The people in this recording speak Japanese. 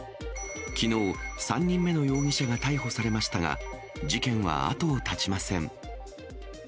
きのう、３人目の容疑者が逮捕されましたが、事件は後を絶ちません。